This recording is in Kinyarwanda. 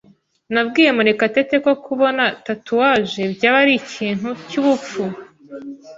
Nabwiye Murekatete ko kubona tatouage byaba ari ikintu cyubupfu.